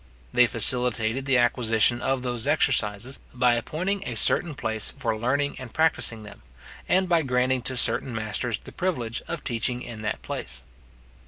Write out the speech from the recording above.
They facilitated the acquisition of those exercises, by appointing a certain place for learning and practising them, and by granting to certain masters the privilege of teaching in that place.